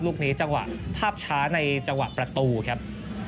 ลูกนี้จังหวะภาพช้าในจังหวะประตูครับ